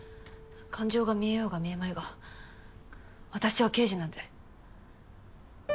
感情が見えようが見えまいが私は刑事なんで！